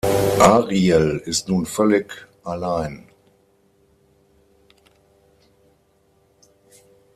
Ariel ist nun völlig allein.